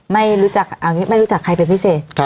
ไม่รู้จักเอาอย่างนี้ไม่รู้จักใครเป็นพิเศษ